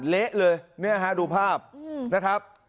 เละเลยเนี่ยฮะดูภาพนะครับ